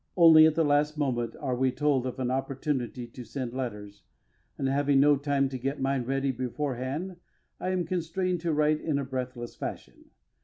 Only at the last moment are we told of an opportunity to send letters, and having no time to get mine ready beforehand I am constrained to write in a breathless fashion.